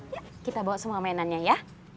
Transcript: yuk kita bawa semua mainannya ya